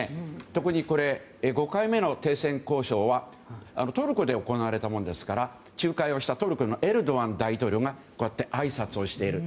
特に、５回目の停戦交渉はトルコで行われたもんですから仲介をしたトルコのエルドアン大統領があいさつをしている。